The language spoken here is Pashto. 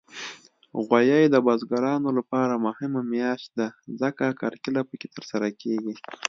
غویی د بزګرانو لپاره مهمه میاشت ده، ځکه کرکیله پکې ترسره کېږي.